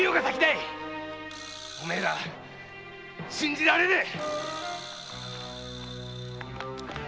いお前ら信じられねぇ。